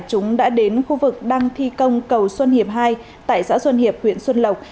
chúng đã đến khu vực đang thi công cầu xuân hiệp hai tại xã xuân hiệp huyện xuân lộc